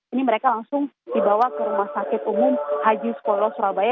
ini mereka langsung dibawa ke rumah sakit umum haji sukolo surabaya